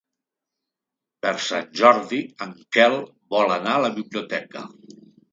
Per Sant Jordi en Quel vol anar a la biblioteca.